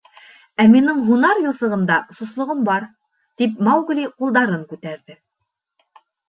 Ә минең һунар юҫығында сослоғом бар, — тип Маугли ҡулдарын күтәрҙе.